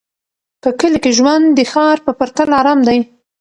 په کلي کې ژوند د ښار په پرتله ارام دی.